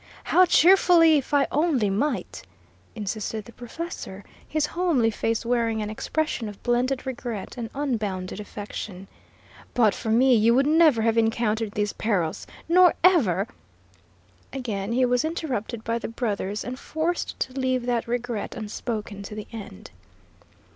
"How cheerfully, if I only might!" insisted the professor, his homely face wearing an expression of blended regret and unbounded affection. "But for me you would never have encountered these perils, nor ever " Again he was interrupted by the brothers, and forced to leave that regret unspoken to the end.